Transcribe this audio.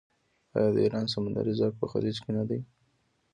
آیا د ایران سمندري ځواک په خلیج کې نه دی؟